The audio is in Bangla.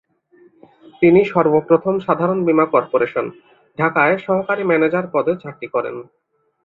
তিনি সর্ব প্রথম সাধারণ বীমা কর্পোরেশন, ঢাকায় সহকারী ম্যানেজার পদে চাকরি করেন।